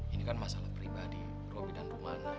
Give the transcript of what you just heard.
ini kan masalah pribadi robi dan rumana